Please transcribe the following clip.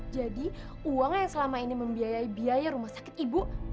jadi uang yang selama ini membiayai biaya rumah sakit ibu